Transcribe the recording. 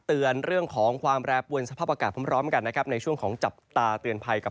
เตือนเรื่องของความแปรปวนสภาพอากาศพร้อมกันนะครับในช่วงของจับตาเตือนภัยกับ